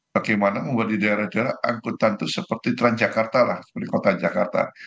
bagaimana membuat di daerah daerah angkutan itu seperti transjakarta lah seperti kota jakarta